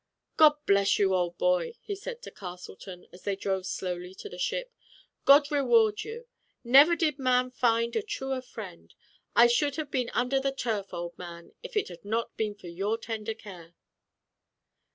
"God bless you, old boy," he said to Castleton as they drove slowly to the ship. "God reward you. Never did man find a truer friend. I should have been under the turf, old man, if it had not been for your tender care."